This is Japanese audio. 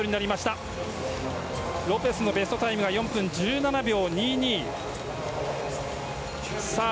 ロペスのベストタイムが４分１７秒２２。